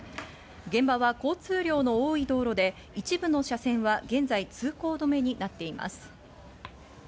現場は交通量の多い道路で、一部の車線は現在、通行止めになっています。